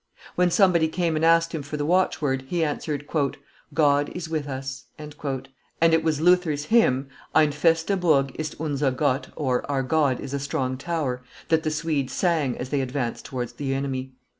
When somebody came and asked him for the watchword, he answered, "God with us;" and it was Luther's hymn, "Ein feste Burg ist unser Gott" (Our God is a strong tower), that the Swedes sang as they advanced towards the enemy.